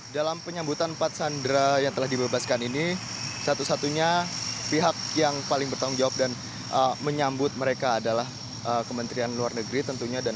dalam penyambutan empat sandera yang telah dibebaskan ini satu satunya pihak yang paling bertanggung jawab dan menyambut mereka adalah kementerian luar negeri tentunya